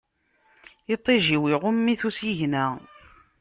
Iṭij-iw, iɣumm-it usigna.